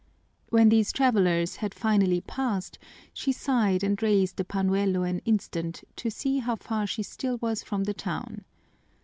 When these travelers had finally passed she sighed and raised the pañuelo an instant to see how far she still was from the town.